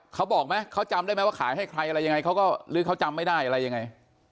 เขาบอกไหมเขาจำได้ไหมว่าขายให้ใครอะไรยังไงเขาก็หรือเขาจำไม่ได้อะไรยังไง